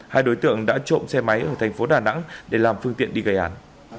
hai đối tượng đã trộm xe máy ở thành phố đà nẵng để làm phương tiện đi gây án